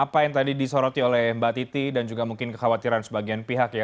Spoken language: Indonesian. apa yang tadi disoroti oleh mbak titi dan juga mungkin kekhawatiran sebagian pihak ya